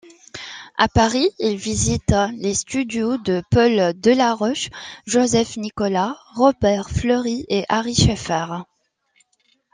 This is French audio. À Paris, il visite les studios de Paul Delaroche, Joseph-Nicolas Robert-Fleury et Ary Scheffer.